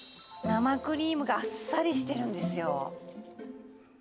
生クリームがあっさりしてるんですよ